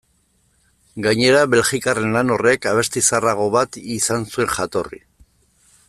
Gainera, belgikarren lan horrek abesti zaharrago bat izan zuen jatorri.